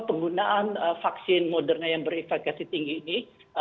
penggunaan vaksin moderna yang berefeksi tinggi ini